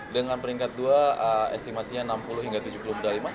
dengan peringkat dua estimasinya enam puluh hingga tujuh puluh medali emas